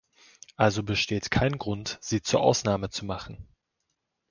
Also besteht kein Grund, sie zur Ausnahme zu machen.